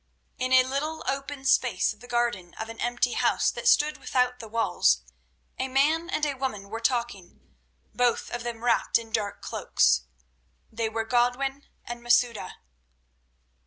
In a little open space of the garden of an empty house that stood without the walls, a man and a woman were talking, both of them wrapped in dark cloaks. They were Godwin and Masouda.